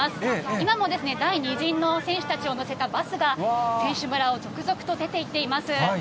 今も第２陣の選手たちを乗せたバスが、選手村を続々と出ていっています。